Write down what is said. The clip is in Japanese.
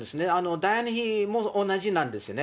ダイアナ妃も同じなんですよね。